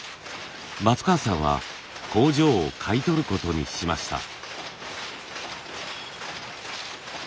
松川さんは工場を買い取ることにしました。